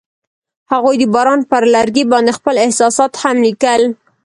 هغوی د باران پر لرګي باندې خپل احساسات هم لیکل.